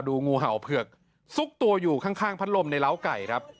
งูเห่าเผือกซุกตัวอยู่ข้างพัดลมในร้าวไก่ครับ